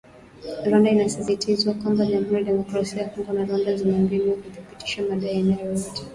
Rwanda inasisitizwa kwamba Jamuhuri ya Demokrasia ya Kongo na Rwanda zina mbinu za kuthibitisha madai ya aina yoyote